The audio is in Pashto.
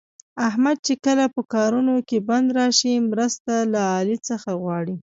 احمد چې کله په کارونو کې بند راشي، مرسته له علي څخه غواړي.